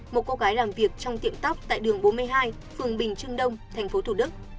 một cô gái làm việc trong tiệm tóc tại đường bốn mươi hai phường bình trưng đông tp thủ đức